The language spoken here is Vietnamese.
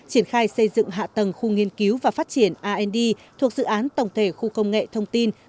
triển khai xây dựng hạ tầng khu nghiên cứu và phát triển rd thuộc dự án tổng thể khu công nghệ thông tin